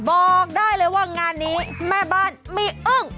บอกได้เลยว่างานนี้แม่บ้านไม่อึ้ง